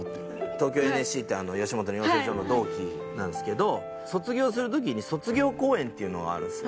東京ＮＳＣって吉本の養成所の同期なんですけど卒業する時にそれの稽古があるんです